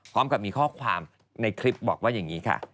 พร้อมกับมีข้อความในคลิปบอกว่าอย่างนี้ค่ะ